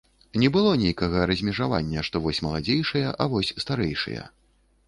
Не было нейкага размежавання, што вось маладзейшыя, а вось старэйшыя.